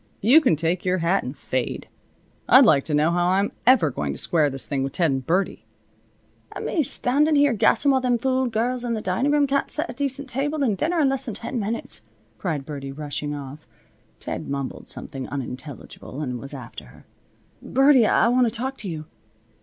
You can take your hat and fade. I'd like to know how I'm ever going to square this thing with Ted and Birdie." "An' me standin' here gassin' while them fool girls in the dinin' room can't set a table decent, and dinner in less than ten minutes," cried Birdie, rushing off. Ted mumbled something unintelligible and was after her. "Birdie! I want to talk to you."